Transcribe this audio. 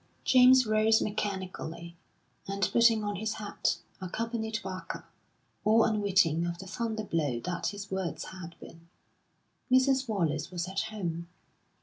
James rose mechanically, and putting on his hat, accompanied Barker, all unwitting of the thunder blow that his words had been.... Mrs. Wallace was at home.